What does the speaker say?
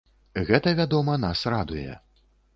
Гэта, вядома, нас радуе.